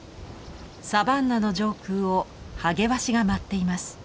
サバンナの上空をハゲワシが舞っています。